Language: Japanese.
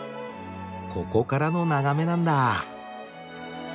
ここからの眺めなんだ。